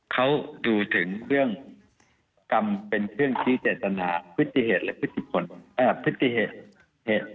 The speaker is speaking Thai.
เขาดูถึงกรรมเป็นเครื่องที่เศรษฐนาพฤติเหตุและพฤติกรรม